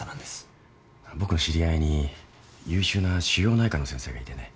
僕の知り合いに優秀な腫瘍内科の先生がいてね。